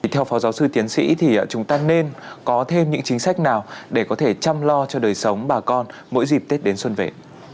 theo phó giáo sư tiến sĩ thì chúng ta nên có thêm những chính sách nào để có thể chăm lo cho đời sống bà con mỗi dịp tết đến xuân về